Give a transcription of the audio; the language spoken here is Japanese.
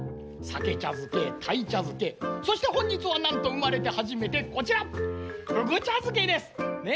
さけちゃづけたいちゃづけそしてほんじつはなんとうまれてはじめてこちらふぐちゃづけです！ね。